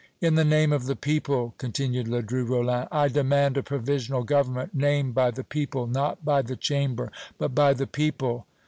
"In the name of the people," continued Ledru Rollin, "I demand a provisional government, named by the people not by the Chamber but by the people!"